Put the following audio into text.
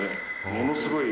ものすごい」